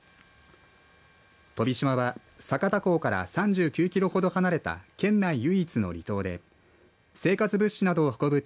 飛島は酒田港から３９キロほど離れた県内唯一の離島で生活物資などを運ぶ